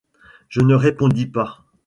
Je ne répondis pas.